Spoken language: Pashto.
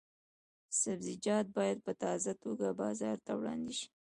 سبزیجات باید په تازه توګه بازار ته وړاندې شي.